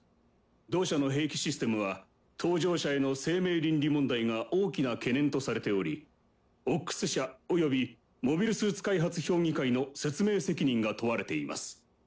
同社の兵器システムは搭乗者への生命倫理問題が大きな懸念とされており「オックス社」およびモビルスーツ開発評議会の説明責任が問われています。